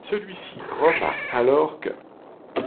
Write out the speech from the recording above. Celui-ci remarque alors qu'.